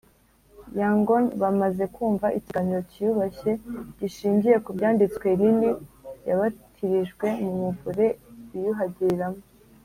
Yangon bamaze kumva ikiganiro cyiyubashye gishingiye ku byanditswe lily yabatirijwe mu muvure biyuhagiriramo